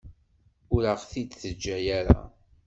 Ur aɣ-t-id-teǧǧa ara.